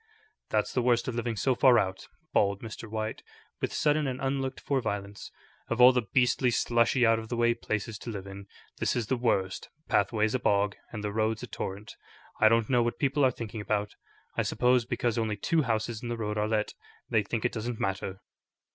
"That's the worst of living so far out," bawled Mr. White, with sudden and unlooked for violence; "of all the beastly, slushy, out of the way places to live in, this is the worst. Pathway's a bog, and the road's a torrent. I don't know what people are thinking about. I suppose because only two houses in the road are let, they think it doesn't matter."